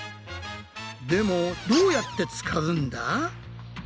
でもどうやって使うんだ？